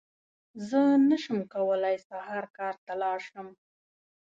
زه نشم کولی سهار کار ته لاړ شم!